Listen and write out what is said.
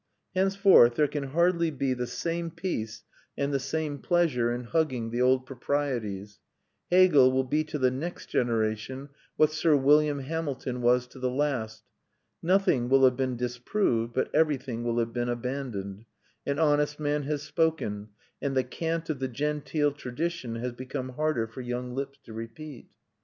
Henceforth there can hardly be the same peace and the same pleasure in hugging the old proprieties. Hegel will be to the next generation what Sir William Hamilton was to the last. Nothing will have been disproved, but everything will have been abandoned. An honest man has spoken, and the cant of the genteel tradition has become harder for young lips to repeat.